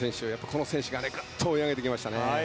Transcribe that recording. この選手らがぐっと追い上げてきましたね。